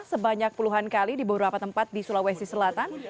sebanyak puluhan kali di beberapa tempat di sulawesi selatan